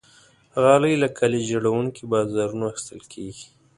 غالۍ له کالي جوړونکي بازارونو اخیستل کېږي.